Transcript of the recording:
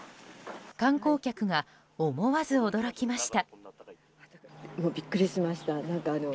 観光客が思わず驚きました。